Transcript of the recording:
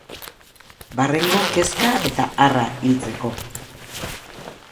Barrengo kezka eta harra hiltzeko.